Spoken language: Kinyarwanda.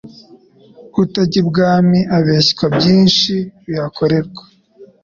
Utajya Ibwami abeshywa byinshi bihakorerwa